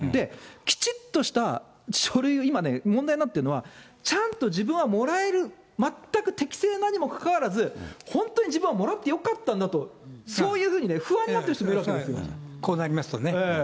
きちっとした書類を、今ね、問題になっているのは、ちゃんと自分はもらえる、全く適正なのにもかかわらず、本当に自分はもらってよかったのかと、そういうふうにね、不安にこうなりますとね。